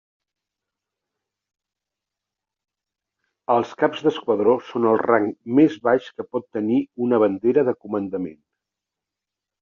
Els Caps d'Esquadró són el rang més baix que pot tenir una bandera de comandament.